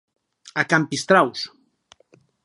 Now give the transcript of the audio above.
A can Pistraus.